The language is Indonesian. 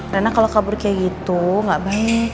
nana kalau kabur kayak gitu gak baik